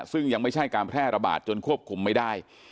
ซึ่งยังไม่ใช่การแพร่ระบาดจนควบคุมไม่ได้